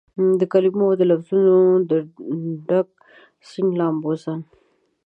دکلمو اودلفظونو دډک سیند لامبوزن